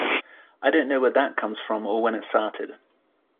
I don't know where that comes from or when it started.